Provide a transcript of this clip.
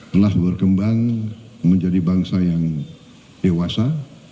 telah berkembang menjadi bangsa yang dewasa